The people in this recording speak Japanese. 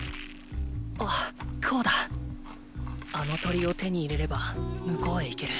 あっこうだっあの鳥を手に入れれば向こうへ行ける。